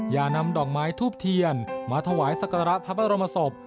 อย่านำดอกไม้ทูบเทียนมาถวายสักการะพระบรมศพ